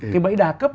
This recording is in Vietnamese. cái bẫy đa cấp